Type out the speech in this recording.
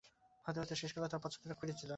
হতে হতে শেষকালে তাঁরও পছন্দর রঙ ফিরেছিল।